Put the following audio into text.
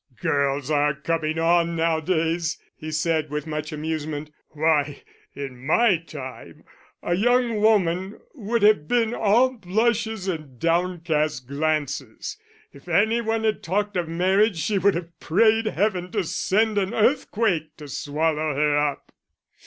"Girls are coming on nowadays," he said, with much amusement. "Why, in my time, a young woman would have been all blushes and downcast glances. If any one had talked of marriage she would have prayed Heaven to send an earthquake to swallow her up."